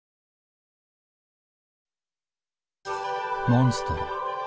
モンストロ。